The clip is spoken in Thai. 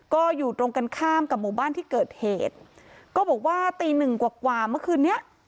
ก็อยู่ตรงกันข้ามกับหมู่บ้านที่เกิดเหตุก็บอกว่าตีหนึ่งกว่ากว่าเมื่อคืนนี้